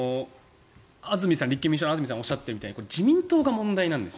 立憲民主党の安住さんがおっしゃっているみたいに自民党が問題なんですよ。